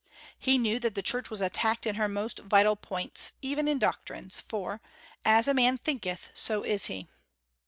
He knew that the Church was attacked in her most vital points, even in doctrines, for "as a man thinketh, so is he."